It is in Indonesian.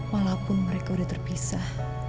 walaupun mereka udah terpisah